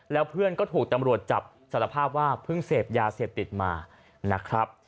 แล้วเพื่อนก็ถูกตำรวจจับสารภาพว่าเพิ่งเสพยาเสพติดมานะครับ